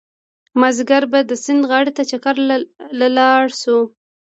مازيګر به د سيند غاړې ته چکر له لاړ شو